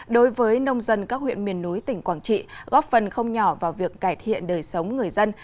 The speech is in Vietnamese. đối với nông dân các huyện miền núi tỉnh quảng trị góp phần không nhỏ vào việc cải thiện đời sống người dân